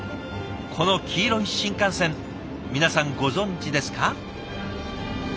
この黄色い新幹線皆さんご存じですか？